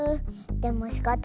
でもしかたない。